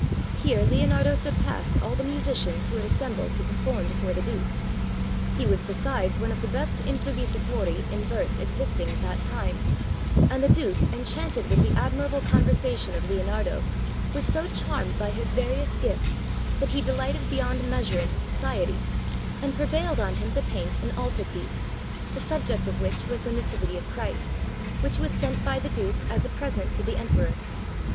Here Leonardo surpassed all the musicians who had assembled to per form before the Duke; he was besides one of the best improvisatori in verse existing at that time, and the Duke, enchanted with the admirable conversation of Leonardo, was so charmed by his varied gifts that he dehghted beyond measure in his society, and prevailed on him to paint an altar piece, the subject of which was the Nativity of Christ, which was sent by the Duke as a present to the Emperor.